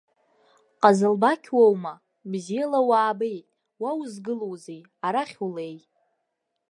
Ҟазылбақь уоума, бзиала уаабеит, уа узгылоузеи, арахь улеи.